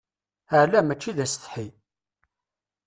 Ala mačči d asetḥi.